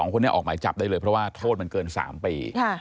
คนนี้ออกหมายจับได้เลยเพราะว่าโทษมันเกิน๓ปี